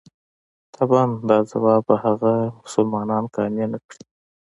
طبعاً دا ځواب به هغه مسلمانان قانع نه کړي.